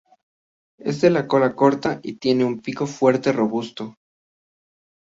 Es de cola corta y tiene un pico fuerte robusto.